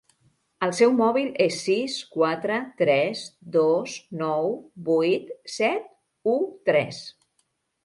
El seu mòbil és sis quatre tres dos nou vuit set u tres.